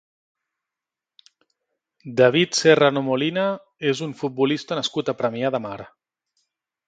David Serrano Molina és un futbolista nascut a Premià de Mar.